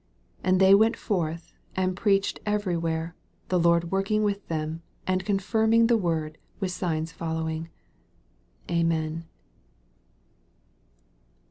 20 And they went forth, and preach ed every where, the Lord working with them, and confirming the word with signs following. Amen.